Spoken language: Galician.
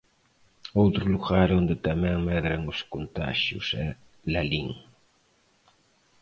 Outro lugar onde tamén medran os contaxios é Lalín.